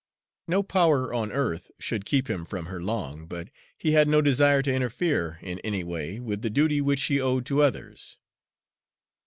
No power on earth should keep him from her long, but he had no desire to interfere in any way with the duty which she owed to others.